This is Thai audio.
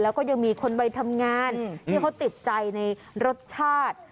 แล้วก็ยังมีคนวัยทำงานที่เขาติดใจในรสชาติ